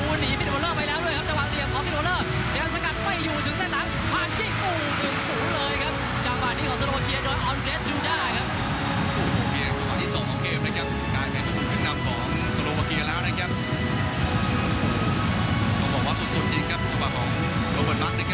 หนีไปแล้วด้วยครับจังหวังเหลี่ยมของจะสกัดไม่อยู่ถึงเส้นหลัง